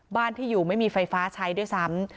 บ้านที่อยู่ไม่มีไฟฟ้าใช้ด้วยซ้ำ